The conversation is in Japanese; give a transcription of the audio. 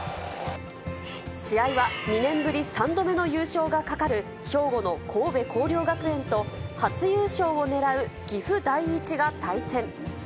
試合は２年ぶり３度目の優勝がかかる兵庫の神戸弘陵学園と、初優勝を狙う岐阜第一が対戦。